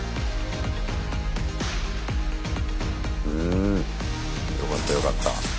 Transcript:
うんよかったよかった。